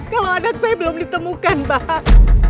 kalau anak saya belum ditemukan pak